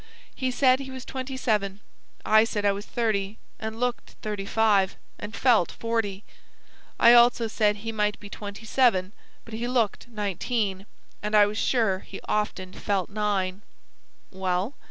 "He said he was twenty seven. I said I was thirty, and looked thirty five, and felt forty. I also said he might be twenty seven, but he looked nineteen, and I was sure he often felt nine." "Well?"